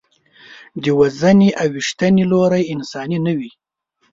د وژنې او ویشتنې لوری انساني نه و.